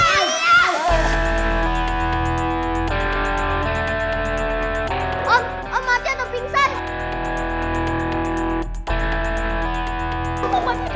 om mati ada pingsan